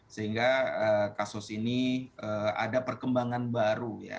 sehingga kasus ini ada perkembangan baru ya